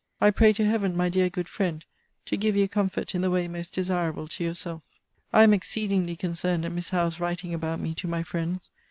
I pray to Heaven, my dear good friend, to give you comfort in the way most desirable to yourself. I am exceedingly concerned at Miss Howe's writing about me to my friends.